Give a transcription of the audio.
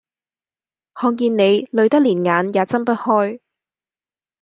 看見你累得連眼也睜不開